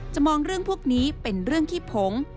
มองเรื่องพวกนี้เป็นเรื่องขี้ผง